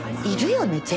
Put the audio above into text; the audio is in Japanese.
いるよね